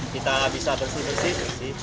kita bisa bersih bersih